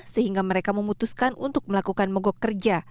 sehingga mereka memutuskan untuk melakukan mogok kerja